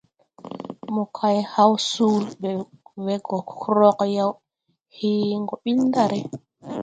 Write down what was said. Mo kay haw soole ɓe we go krod yaw, hee gɔ ɓi ndar.